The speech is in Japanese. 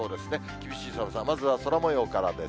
厳しい寒さ、まずは空もようからです。